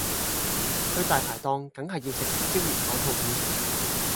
去大牌檔緊係要食椒鹽九肚魚